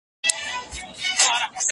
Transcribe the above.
آیا بشر د بشپړتیا قانون تعقیبوي؟